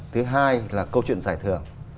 thứ hai là câu chuyện giải thưởng